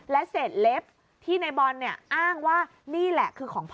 และเศษเล็บที่ในบอลเนี่ยอ้างว่านี่แหละคือของพ่อ